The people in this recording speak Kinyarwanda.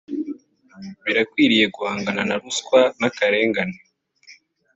birakwiye guhangana na ruswa n’akarengane